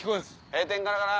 閉店ガラガラ。